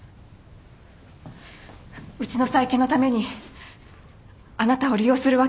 うちの再建のためにあなたを利用するわけには。